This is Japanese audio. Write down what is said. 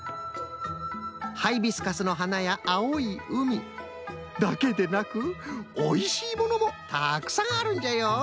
ハイビスカスの花やあおいうみだけでなくおいしいものもたくさんあるんじゃよ。